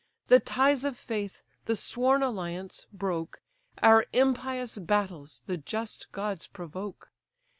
The ties of faith, the sworn alliance, broke, Our impious battles the just gods provoke.